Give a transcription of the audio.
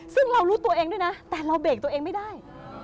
ซึ่งเรารู้ตัวเองด้วยนะแต่เราเบรกตัวเองไม่ได้